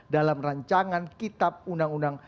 dalam rancangan kitab undang undang